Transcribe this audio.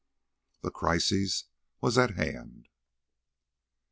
The crisis was at hand.